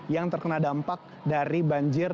yang terkena dampak dari banjir